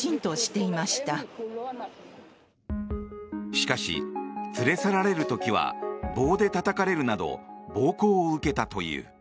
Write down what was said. しかし、連れ去られる時は棒でたたかれるなど暴行を受けたという。